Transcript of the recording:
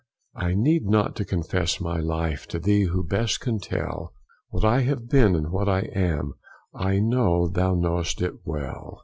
I need not to confess my life To thee, who best can tell What I have been, and what I am; I know thou know'st it well.